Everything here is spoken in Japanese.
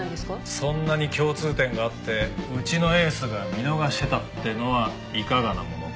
そんなに共通点があってうちのエースが見逃してたってのはいかがなものか。